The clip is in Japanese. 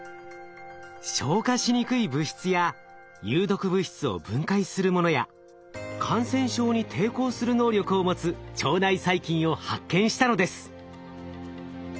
消化しにくい物質や有毒物質を分解するものや感染症に抵抗する能力を持つ腸内細菌を発見したのです。